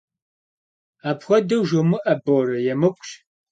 Apxuedeu jjomı'e, Bore, yêmık'uş.